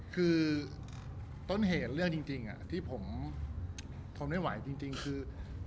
คือต้นเหตุเรื่องจริงที่ผมทนไม่ไหวจริงคือ